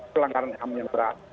pelanggaran ham yang berat